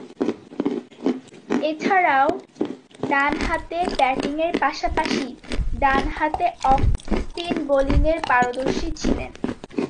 এছাড়াও, ডানহাতে ব্যাটিংয়ের পাশাপাশি ডানহাতে অফ স্পিন বোলিংয়ে পারদর্শী ছিলেন।